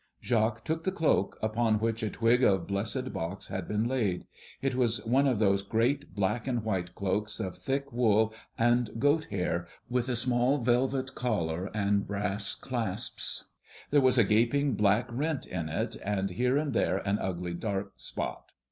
Jacques took the cloak, upon which a twig of blessed box had been laid. It was one of those great black and white cloaks of thick wool and goat hair, with a small velvet collar and brass clasps. There was a gaping black rent in it, and here and there an ugly dark spot.